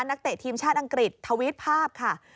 นักเตะทีมชาติอังกฤษทวิตภาพค่ะ